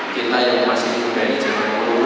kita yang masih muda di jaman ke dua puluh